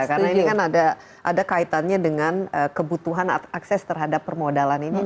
karena ini kan ada kaitannya dengan kebutuhan akses terhadap permodalan ini